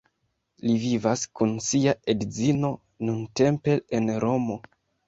Li vivas kun sia edzino nuntempe en Romo.